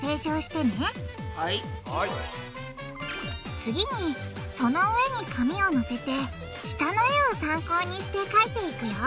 次にその上に紙をのせて下の絵を参考にしてかいていくよ